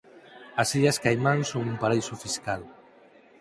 As Illas Caimán son un paraíso fiscal.